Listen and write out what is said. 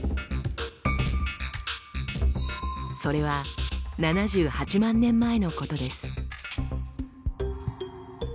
それは７８万年前のことです。